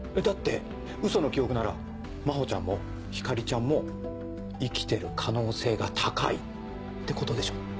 だってウソの記憶なら真帆ちゃんも光莉ちゃんも生きてる可能性が高いってことでしょ？